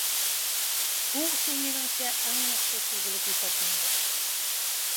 بۇ ئۇسۇل مېنىڭچە ئەڭ ياخشى ئۇسۇل بولۇپ ھېسابلىنىدۇ.